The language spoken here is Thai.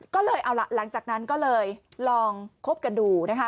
ก็เลยเอาล่ะหลังจากนั้นก็เลยลองคบกันดูนะคะ